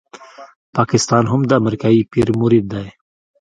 پاکستان هم د امریکایي پیر مرید دی.